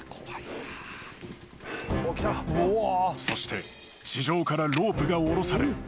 ［そして地上からロープが下ろされ］